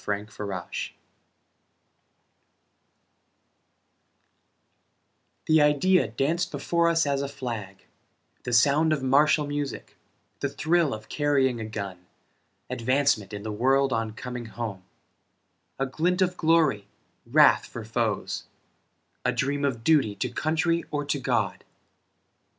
Many Soldiers The idea danced before us as a flag; The sound of martial music; The thrill of carrying a gun; Advancement in the world on coming home; A glint of glory, wrath for foes; A dream of duty to country or to God.